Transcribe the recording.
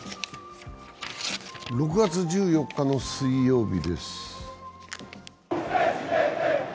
６月１４日の水曜日です。